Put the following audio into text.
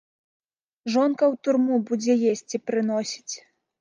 Жонка ў турму будзе есці прыносіць.